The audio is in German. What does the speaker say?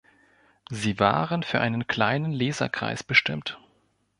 Sie waren für einen kleinen Leserkreis bestimmt.